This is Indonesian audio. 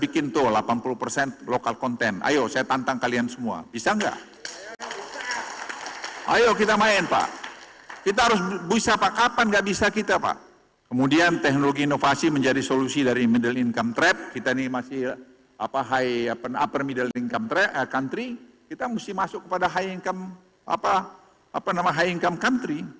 kita ini masih upper middle country kita mesti masuk kepada high income country